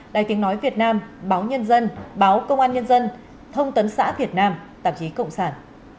đài tiếng nói việt nam báo nhân dân báo công an nhân dân thông tấn xã việt nam tạp chí cộng sản